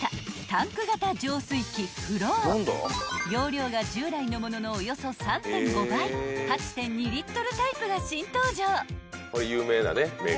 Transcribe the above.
［容量が従来のもののおよそ３．５倍８．２リットルタイプが新登場］